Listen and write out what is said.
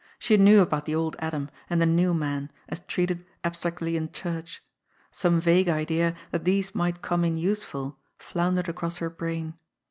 She knew about the old Adam, and the new man, as treated — abstractly — in church. Some vague idea that these might come in useful floundered across her brain.